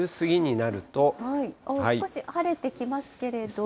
少し晴れてきますけれどね。